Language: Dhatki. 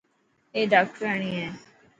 اي ڊاڪٽرياڻي هي.